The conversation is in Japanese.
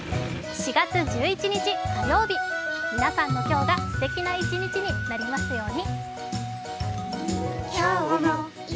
４月１１日火曜日、皆さんの今日がすてきな一日になりますように。